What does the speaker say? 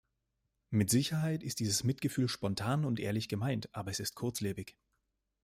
Mit Sicherheit ist dieses Mitgefühl spontan und ehrlich gemeint, aber es ist kurzlebig.